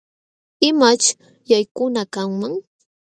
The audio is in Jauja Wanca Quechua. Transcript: ¿Imaćh chaykuna kanman?